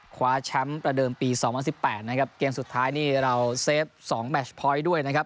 คว้าแชมป์ประเดิมปีสองพันสิบแปดนะครับเกมสุดท้ายนี่เราเซฟ๒แมชพอยต์ด้วยนะครับ